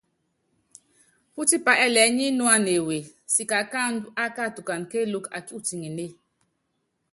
Pútipá ɛɛlɛɛ́ nyínúana ewe, siki akáandú ákatukana kéélúkú akí utiŋenée.